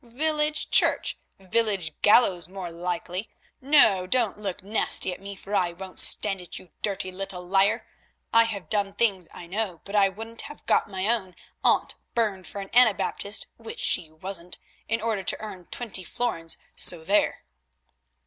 Village church? Village gallows more likely. No, don't you look nasty at me, for I won't stand it, you dirty little liar. I have done things, I know; but I wouldn't have got my own aunt burned for an Anabaptist, which she wasn't, in order to earn twenty florins, so there."